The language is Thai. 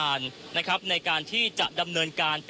คุณทัศนาควดทองเลยค่ะ